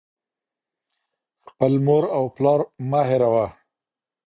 • خپل مور و پلار مه هېروه.